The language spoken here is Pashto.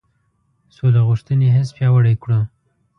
سوله غوښتنې حس پیاوړی کړو.